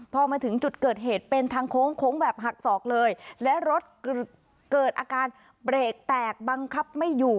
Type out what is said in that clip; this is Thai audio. พอมาถึงจุดเกิดเหตุเป็นทางโค้งโค้งแบบหักศอกเลยและรถเกิดอาการเบรกแตกบังคับไม่อยู่